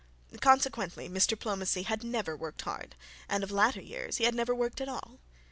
Consequently Mr Plomacy had never worked hard, and of latter years had never worked at all.